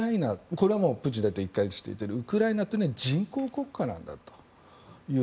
これはプーチン大統領が一貫して言っているウクライナというのは人工国家なんだという。